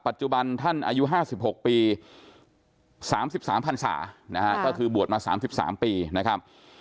ปัจจุบันท่านอายุ๕๖ปี๓๓พันศานะค่ะก็คือบวดมา๓๓ปีนะครับ